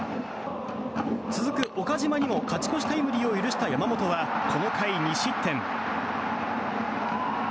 続く岡島にも勝ち越しタイムリーを許した山本はこの回、２失点。